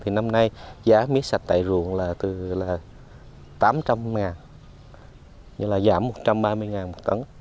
thì năm nay giá mía sạch tại ruộng là từ tám trăm linh đồng giảm một trăm ba mươi đồng một tấn